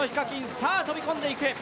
さあ、飛び込んでいく。